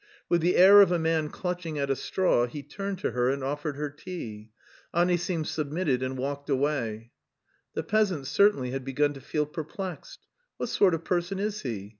With the air of a man clutching at a straw he turned to her and offered her tea. Anisim submitted and walked away. The peasants certainly had begun to feel perplexed: "What sort of person is he?